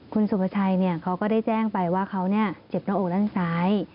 คุณสุประชัยเนี่ยเขาก็ได้แจ้งไปว่าเขาเนี่ยเจ็บในอกด้านซ้าย